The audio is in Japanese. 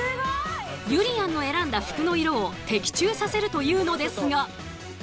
ゆりやんの選んだ服の色を的中させるというのですが。